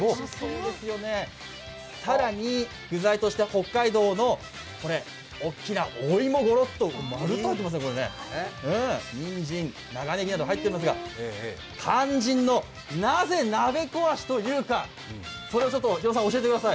更に、具材として北海道の大きなお芋、ごろっと丸ごと入ってますねにんじん、長ねぎなど入ってるんですが肝心のなぜ鍋壊しと言うか、日野さん教えてください。